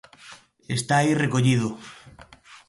Está aí recollido.